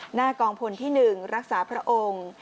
หน้ากองพลที่๑รักษาพระองค์